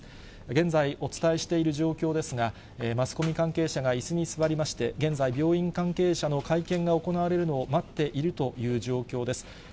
現在、お伝えしている状況ですが、マスコミ関係者がいすに座りまして、現在、病院関係者の会見が行われるのを待っているという状況です。